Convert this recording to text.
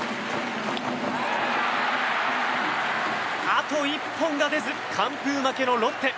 あと一本が出ず完封負けのロッテ。